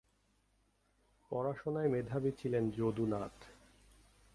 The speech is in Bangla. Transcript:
পড়াশোনায় মেধাবী ছিলেন যদুনাথ।